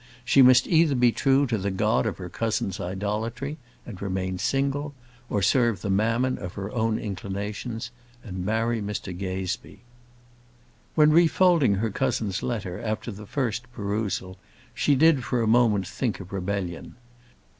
She must either be true to the god of her cousin's idolatry, and remain single, or serve the Mammon of her own inclinations, and marry Mr Gazebee. When refolding her cousin's letter, after the first perusal, she did for a moment think of rebellion.